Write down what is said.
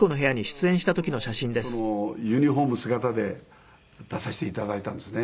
なんか自分のユニホーム姿で出させて頂いたんですね。